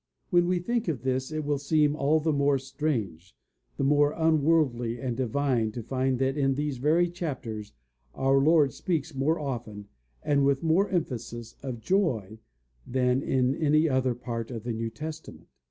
When we think of this it will seem all the more strange, the more unworldly and divine to find that in these very chapters our Lord speaks more often, and with more emphasis, of JOY than in any other part of the New Testament.